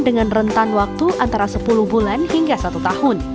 dengan rentan waktu antara sepuluh bulan hingga satu tahun